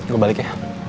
gue balik ya